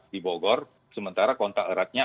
di bogor sementara kontak eratnya